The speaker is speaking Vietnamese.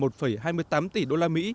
một hai mươi tám tỷ đô la mỹ